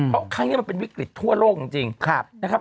เพราะครั้งนี้มันเป็นวิกฤตทั่วโลกจริงนะครับ